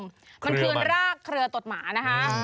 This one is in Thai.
มันคือรากเครือตดหมานะคะ